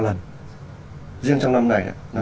riêng trong năm nay ạ